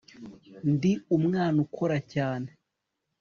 ndi umwana ukora cyane